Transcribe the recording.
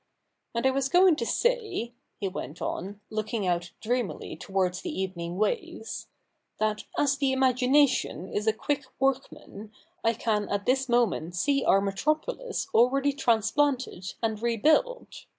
And I was going to say,' he went on, looking out dreamily towards the evening waves, ' that as the imagination is a quick work man, I can at this moment see our metropolis already transplanted and rebuilt.